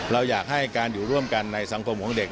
เราอยากให้การอยู่ร่วมกันในสังคมของเด็ก